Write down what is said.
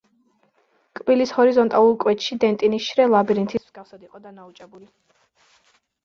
კბილის ჰორიზონტალურ კვეთში დენტინის შრე ლაბირინთის მსგავსად იყო დანაოჭებული.